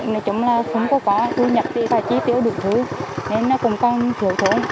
nói chung là không có có tôi nhập đi và chi tiêu được thứ nên cũng còn thiếu thuận